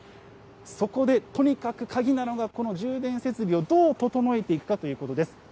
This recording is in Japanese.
そこで、とにかく鍵なのがこの充電設備をどう整えていくかということです。